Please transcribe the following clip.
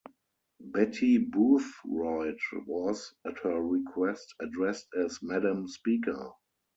Betty Boothroyd was, at her request, addressed as "Madam Speaker".